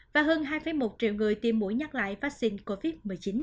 và hơn hai một triệu người tiêm mũi nhắc lại vaccine covid một mươi chín